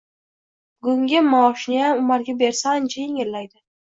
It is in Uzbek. Bugungi maoshiniyam Umarga bersa, ancha yengillaydi